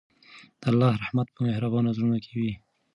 د الله رحمت په مهربانو زړونو کې وي.